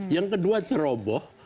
yang kedua ceroboh